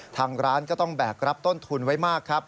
ทางร้านก็ต้องแบกรับต้นทุนไว้มากครับ